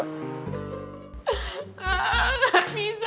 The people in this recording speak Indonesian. udah lah gue susulin juga